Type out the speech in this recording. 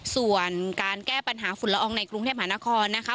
ส่วนการแก้ปัญหาฝุ่นละอองในกรุงเทพหานครนะคะ